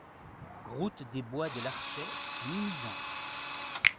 Route des Bois de Larchets, Mimizan